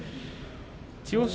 千代翔